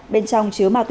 bên trong chứa ma túi